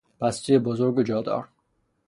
پستوی بزرگ و جادار